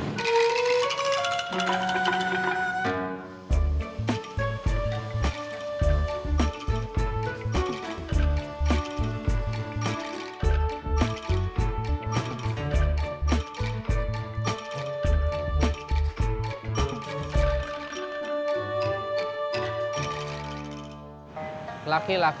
mikirnya selalu sujaruh